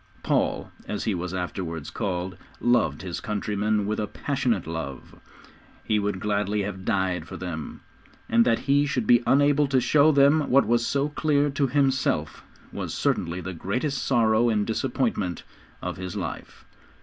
Paul, as he was afterwards called, loved his countrymen with a passionate love. He would gladly have died for them, and that he should be unable to show them what was so clear to himself, was certainly the greatest sorrow and disappointment of his life.